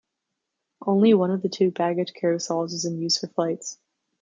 Only one of the two baggage carousels is in use for flights.